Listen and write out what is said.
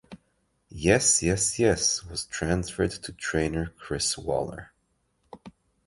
Yes Yes Yes was transferred to trainer Chris Waller.